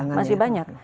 iya masih banyak